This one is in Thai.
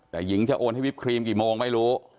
แต่หญิงจะโอนให้วิปครีมกี่โมงไม่รู้